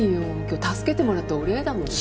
今日助けてもらったお礼だもん。